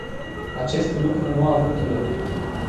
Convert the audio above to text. Acest lucru nu a avut loc.